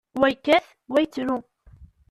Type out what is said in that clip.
Wa yekkat, wa yettru.